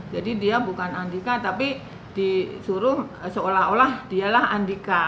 jadi dia bukan andika tapi disuruh seolah olah dialah andika